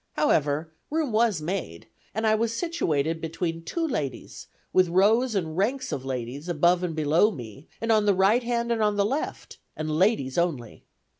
However, room was made, and I was situated between two ladies, with rows and ranks of ladies above and below me, and on the right hand and on the left, and ladies only.